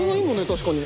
確かに。